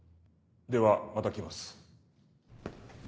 ではまた来ます。